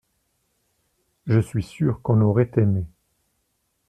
Je suis sûr qu’on aurait aimé.